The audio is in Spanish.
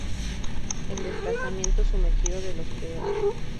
El desplazamiento sumergido de los Pr.